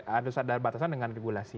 harus ada batasan dengan regulasi